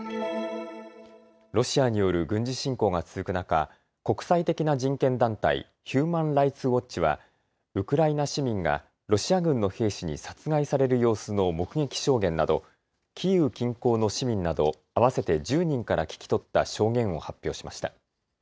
ロシアによる軍事侵攻が続く中、国際的な人権団体、ヒューマン・ライツ・ウォッチはウクライナ市民がロシア軍の兵士に殺害される様子の目撃証言などキーウ近郊の市民など合わせて１０人から聞き取った証言を発表しました。